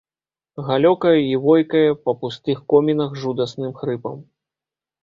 Галёкае і войкае па пустых комінах жудасным хрыпам.